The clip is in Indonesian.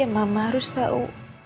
ya mama harus tahu